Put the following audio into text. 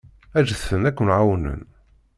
Ǧǧet-ten aken-ɛawnen.